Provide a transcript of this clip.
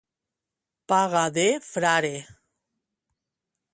Paga de frare.